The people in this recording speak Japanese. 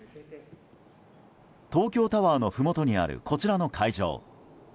東京タワーのふもとにあるこちらの会場。